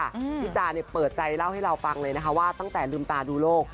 พี่จาเนี่ยเปิดใจเล่าให้เราฟังเลยนะคะว่าตั้งแต่ลืมตาดูโลก